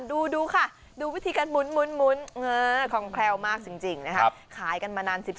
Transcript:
ดูค่ะดูวิธีการหมุนของแคลวมากจริงนะครับขายกันมานาน๑๒